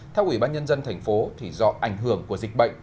theo ủy ban nhân dân thành phố do ảnh hưởng của dịch bệnh